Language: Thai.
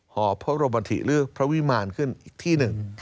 หอบพระบรมธิเลือกพระวิมารขึ้นอีกที่หนึ่ง